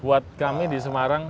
buat kami di semarang